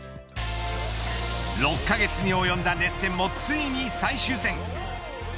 ６カ月におよんだ熱戦もついに最終戦。